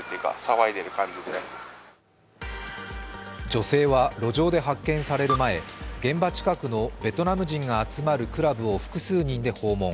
女性は路上で発見される前現場近くのベトナム人が集まるクラブを複数人で訪問。